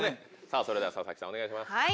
それでは佐々木さんお願いします。